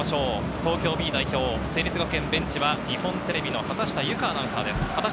東京Ｂ代表、成立学園ベンチは日本テレビの畑下由佳アナウンサーです。